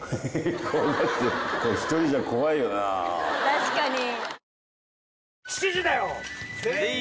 確かに。